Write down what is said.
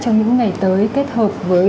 trong những ngày tới kết hợp với